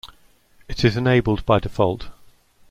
It is enabled by default.